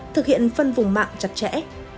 thực hiện phân vùng mạng chặt chẽ